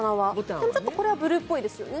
でも、これはブルーっぽいですよね。